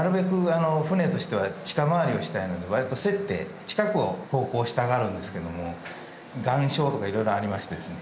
あの船としては近回りをしたいので割と競って近くを航行したがるんですけども岩礁とかいろいろありましてですね